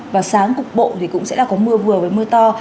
và sáng cục bộ thì cũng sẽ là có mưa vừa và mưa to